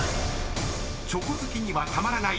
［チョコ好きにはたまらない］